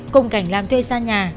cùng cảnh làm thuê xa nhà